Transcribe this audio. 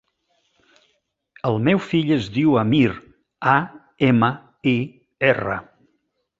El meu fill es diu Amir: a, ema, i, erra.